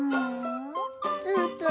ツンツン。